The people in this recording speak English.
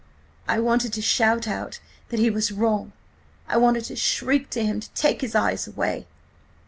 I wanted to shout out that he was wrong! I wanted to shriek to him to take his eyes away!